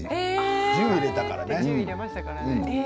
１０入れたからね。